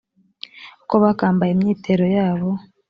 uko bakambaye imyitero yabo